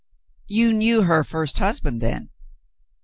"You knew her first husband, then